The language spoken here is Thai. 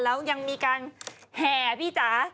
แล้วยังมีการแห่พี่จ๋า